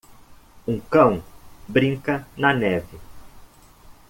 Um cão brinca na neve.